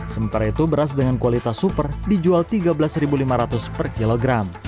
sementara itu beras dengan kualitas super dijual rp tiga belas lima ratus per kilogram